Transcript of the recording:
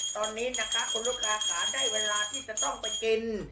ตอนนี้นะคะคุณลูกค้าค่ะได้เวลาที่จะต้องไปกิน